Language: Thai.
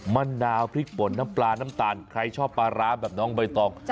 มะนาวพริกป่นน้ำปลาน้ำตาลใครชอบปลาร้าแบบน้องใบตอง